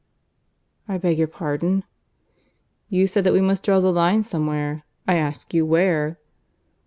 "I beg your pardon?" "You said that we must draw the line somewhere. I ask you where?"